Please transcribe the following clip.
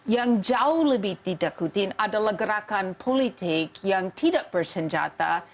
yang jauh lebih ditakutin adalah gerakan politik yang tidak bersenjata